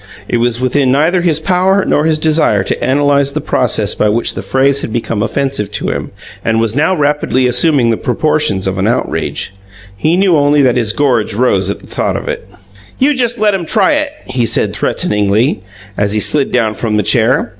It was within neither his power nor his desire to analyze the process by which the phrase had become offensive to him, and was now rapidly assuming the proportions of an outrage. He knew only that his gorge rose at the thought of it. "You just let 'em try it!" he said threateningly, as he slid down from the chair.